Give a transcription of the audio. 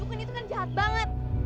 dukun itu kan jahat banget